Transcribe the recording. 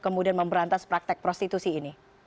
kemudian memberantas praktek prostitusi ini